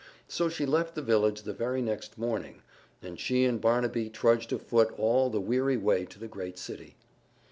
So she left the village the very next morning, and she and Barnaby trudged afoot all the weary way to the great city.